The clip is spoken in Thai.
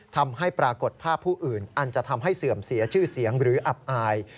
ทำให้ปรากฏภาพผู้อื่นอันจะทำให้เสื่อมเสียชื่อเสียงหรืออับอาย